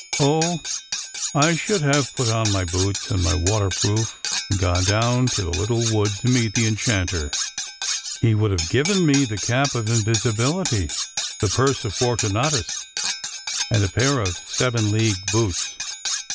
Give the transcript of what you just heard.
Oh ! I should have put on my boots and my water proof and gone down to the little wood to meet the enchanter ! He would have given me the cap of invisibility, the purse of Fortu natus, and a pair of seven league boots.